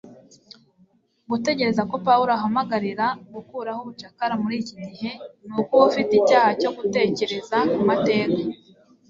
Gutegereza ko Pawulo ahamagarira gukuraho ubucakara muri iki gihe ni ukuba ufite icyaha cyo gutekereza ku mateka